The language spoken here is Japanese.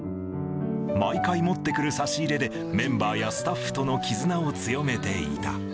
毎回持ってくる差し入れで、メンバーやスタッフとの絆を強めていた。